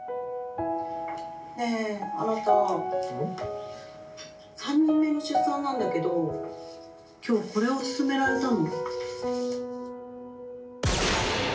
「ねえあなた３人目の出産なんだけど今日これを勧められたの」。